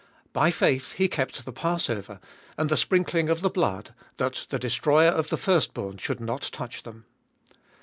28. By faith he kept the passover, and the sprinkling of the blood, that the destroyer of the firstborn should not touch them.